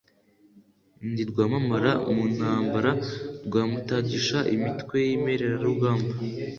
Ndi Rwamamara mu ntambara, Rwa Mutagisha imitwe y'imenerarugamba,